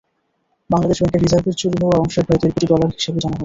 বাংলাদেশ ব্যাংকের রিজার্ভের চুরি হওয়া অংশের প্রায় দেড় কোটি ডলার হিসাবে জমা হয়েছে।